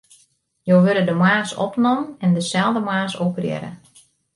Jo wurde de moarns opnommen en deselde moarns operearre.